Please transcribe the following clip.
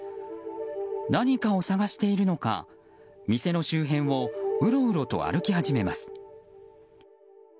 何かを探しているのか店の周辺をうろうろと歩き始めます。